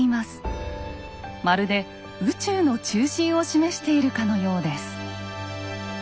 まるで宇宙の中心を示しているかのようです。